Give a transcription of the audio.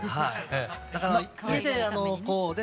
だから家でこうね